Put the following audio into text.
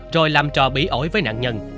rồi làm trò bí ổi với nạn nhân